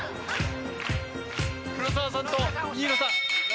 黒沢さんと新納さん。